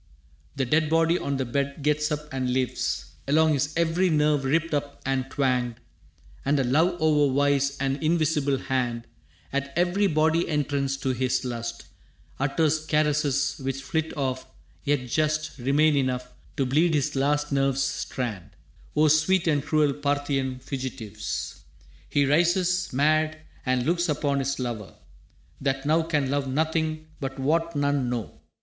The dead body on the bed gets up and lives Along his every nerve ripped up and twanged, And a love o'er wise and invisible hand At every body entrance to his lust Utters caresses which flit off, yet just Remain enough to bleed his last nerve's strand, O sweet and cruel Parthian fugitives! He rises, mad, and looks upon his lover, That now can love nothing but what none know.